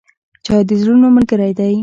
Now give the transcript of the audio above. چای د زړونو ملګری دی.